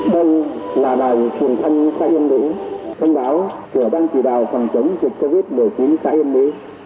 đây là đài truyền thông xã yên bỉu thông báo cửa đang chỉ đào phòng chống dịch covid một mươi chín xã yên bỉu